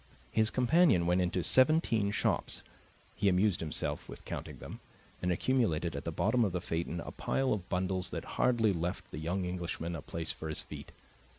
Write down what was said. His companion went into seventeen shops he amused himself with counting them and accumulated at the bottom of the phaeton a pile of bundles that hardly left the young Englishman a place for his feet.